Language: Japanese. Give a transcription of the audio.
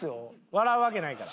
笑うわけないから。